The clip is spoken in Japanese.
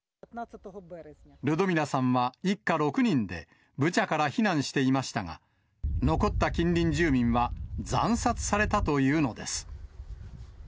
ルドミラさんは、一家６人で、ブチャから避難していましたが、残った近隣住民は惨殺されたというのです。